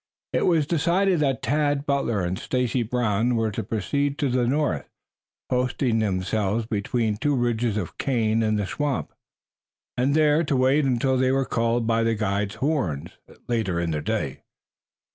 It was decided that Tad Butler and Stacy Brown were to proceed to the north, posting themselves between two ridges of cane in the swamp, and there to wait until they were called in by the guide's horn later in the day.